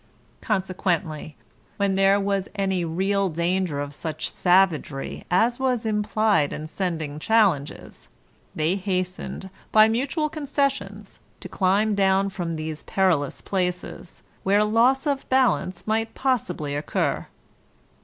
Consequently when there was any real danger of such savagery as was implied in sending challenges, they hastened, by mutual concessions, to climb down from these perilous places, where loss of balance might possibly occur.